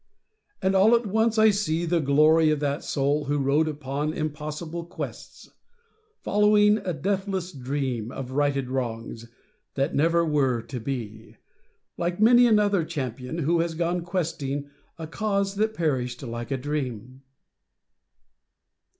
And all at once I see The glory of that soul who rode upon Impossible quests, following a deathless dream Of righted wrongs, that never were to be, Like many another champion who has gone Questing a cause that perished like a dream.